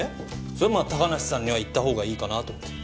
それはまあ高梨さんには言ったほうがいいかなと思って。